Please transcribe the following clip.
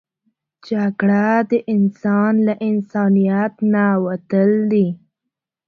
جګړه د انسان له انسانیت نه وتل دي